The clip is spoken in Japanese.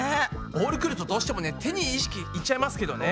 ボール来るとどうしてもね手に意識いっちゃいますけどね。